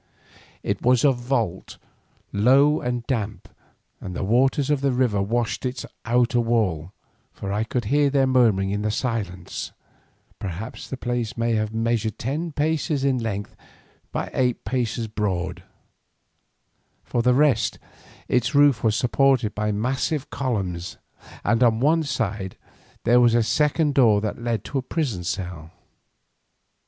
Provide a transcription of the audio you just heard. It was a vault low and damp, and the waters of the river washed its outer wall, for I could hear their murmuring in the silence. Perhaps the place may have measured ten paces in length by eight broad. For the rest its roof was supported by massive columns, and on one side there was a second door that led to a prison cell.